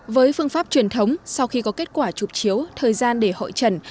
với phương pháp truyền thống sau khi có kết quả chụp chiếu thời gian để hội trần